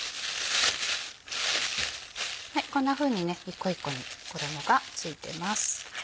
こんなふうに一個一個に衣が付いてます。